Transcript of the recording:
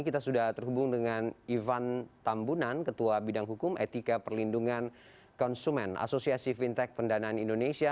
kita sudah terhubung dengan ivan tambunan ketua bidang hukum etika perlindungan konsumen asosiasi fintech pendanaan indonesia